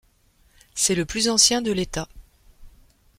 C’est le plus ancien de l’État.